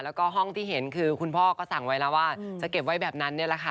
แล้วก็ห้องที่เห็นคือคุณพ่อก็สั่งไว้แล้วว่าจะเก็บไว้แบบนั้นเนี่ยแหละค่ะ